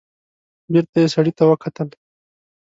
بېرته يې سړي ته وکتل.